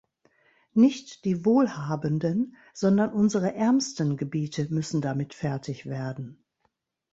Nicht die wohlhabenden, sondern unsere ärmsten Gebiete müssen damit fertig werden.